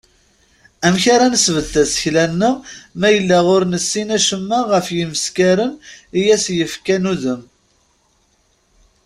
Amek ara nesbedd tasekla-nneɣ ma yella ur nessin acemma ɣef yimeskaren i as-yefkan udem?